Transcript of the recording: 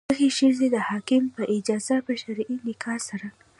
دغې ښځې د حاکم په اجازه په شرعي نکاح سره.